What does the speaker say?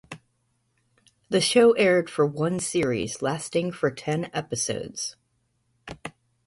The show aired for one series lasting for ten episodes.